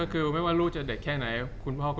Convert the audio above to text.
จากความไม่เข้าจันทร์ของผู้ใหญ่ของพ่อกับแม่